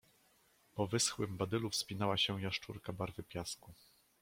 Po wyschłym badylu wspinała się jasz czurka, barwy piasku.